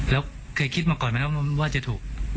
แล้วเคยคิดมาก่อนไหมครับว่าจะถูก